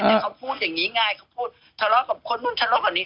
แต่เขาพูดอย่างนี้ง่ายเขาพูดทะเลาะกับคนนู้นทะเลาะกับนี้